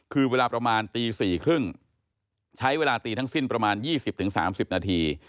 คือเวลาประมาณตี๔๓๐ใช้เวลาตีทั้งสิ้นประมาณ๒๐๓๐นาที